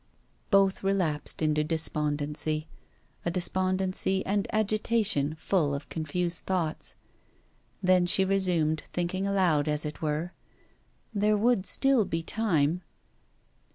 Both relapsed into despondency a despondency and agitation full of confused thoughts. Then she resumed, thinking aloud as it were: 'There would still be time.